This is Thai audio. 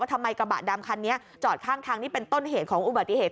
ทำไมกระบะดำคันนี้จอดข้างทางนี่เป็นต้นเหตุของอุบัติเหตุ